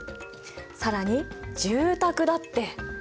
更に住宅だって。